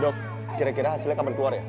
dok kira kira hasilnya kapan keluar ya